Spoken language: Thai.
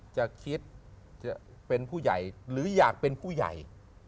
จะคิดจะเป็นผู้ใหญ่หรืออยากเป็นผู้ใหญ่